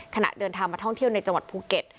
ขณะเดินทางมาท่องเที่ยวในจังหวัดภูเก็ต